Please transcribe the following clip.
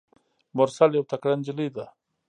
مرسل یوه تکړه نجلۍ ده.